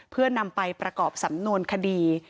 เพื่อนำไปประกอบสำนวนคดี